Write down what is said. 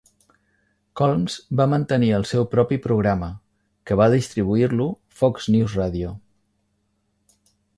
Colmes va mantenir el seu propi programa, que va distribuir-lo Fox News Radio.